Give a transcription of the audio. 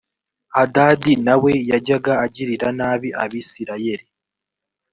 hadadi na we yajyaga agirira nabi abisirayeli